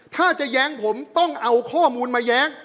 ถ้าจะแย้งผมต้องเอาข้อมูลมาแย้ง